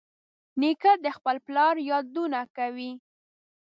نیکه د خپل پلار یادونه کوي.